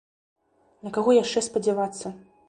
На каго яшчэ спадзявацца?